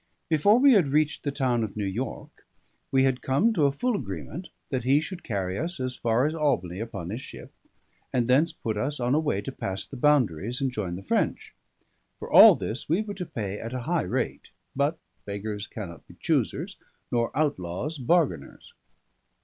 Before we had reached the town of New York we had come to a full agreement, that he should carry us as far as Albany upon his ship, and thence put us on a way to pass the boundaries and join the French. For all this we were to pay at a high rate; but beggars cannot be choosers, nor outlaws bargainers.